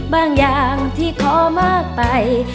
บางอย่างที่ขอมากไป